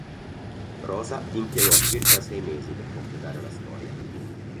Rosa impiegò circa sei mesi per completare la storia.